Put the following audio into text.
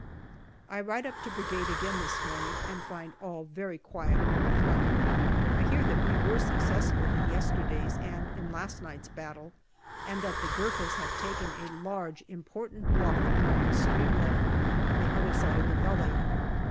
I ride up to Brigade again this morning and find all very quiet on the front. I hear that we were successful in yesterday's and in last night's battle, and that the Gurkhas have taken a large important bluff on our extreme left on the other side of the gully.